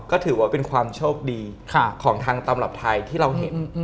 ก็ถือว่าเป็นความโชคดีของทางตำรับไทยที่เราเห็น